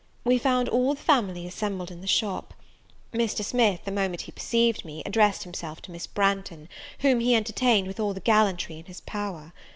We found all the family assembled in the shop. Mr. Smith, the moment he perceived me, addressed himself to Miss Branghton, whom he entertained with all the gallantry in his power.